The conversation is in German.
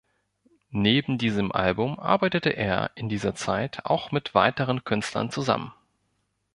Neben diesem Album arbeitete er in dieser Zeit auch mit weiteren Künstlern zusammen.